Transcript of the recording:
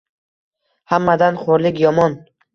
Hammadan xoʼrlik yomon…